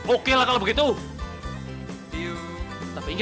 oke lah kalau begini lah ya